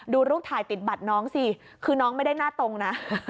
ดูรูปถ่ายติดบัตรน้องสิคือน้องไม่ได้หน้าตรงนะ